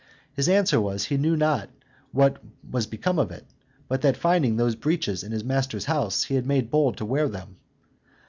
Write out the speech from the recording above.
His answer was, he knew not what was become of it, but that finding those breeches in his master's house, he had made bold to wear them.